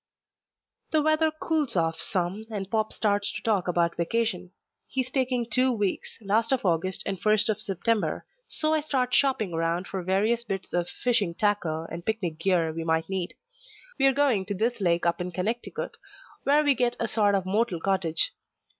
The weather cools off some, and Pop starts to talk about vacation. He's taking two weeks, last of August and first of September, so I start shopping around for various bits of fishing tackle and picnic gear we might need. We're going to this lake up in Connecticut, where we get a sort of motel cottage.